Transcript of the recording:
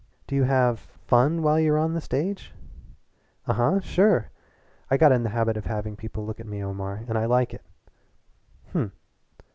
"Do you have fun while you're on the stage?" "Uh huh sure! I got in the habit of having people look at me, Omar, and I like it." "Hm!"